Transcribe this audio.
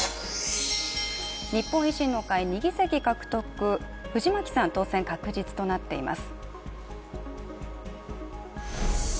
日本維新の会２議席獲得、藤巻さん当選確実となっています。